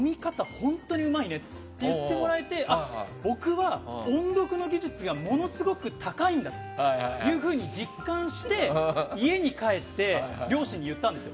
本当にうまいねと言ってもらえてあ、僕は音読の技術がものすごく高いんだというふうに実感して家に帰って両親に言ったんですよ。